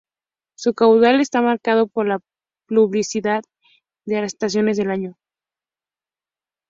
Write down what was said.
Su caudal está marcado por la pluviosidad de las estaciones del año.